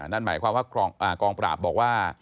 นั่นหมายความว่ากองปราบบอกว่า